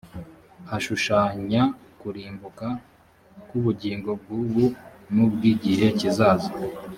hashushanya kurimbuka k ubugingo bw ubu n ubw igihe kizaza